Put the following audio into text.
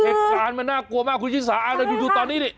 เอกตารมันน่ากลัวมากคุณผู้ชิมสามารถดูตอนนี้เลย